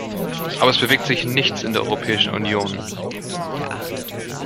Aber es bewegt sich nichts in der Europäischen Union.